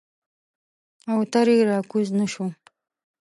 او ترې راکوز نه شو.